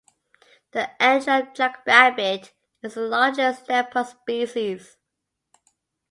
The antelope jackrabbit is the largest "Lepus" species.